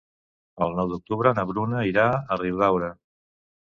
El nou d'octubre na Bruna irà a Riudaura.